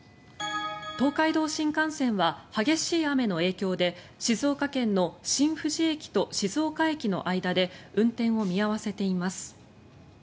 東海道新幹線は激しい雨の影響で静岡県の新富士駅と静岡駅の間で運転を見合わせています。